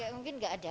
mungkin nggak ada